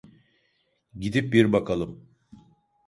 Gidip bir bakalım.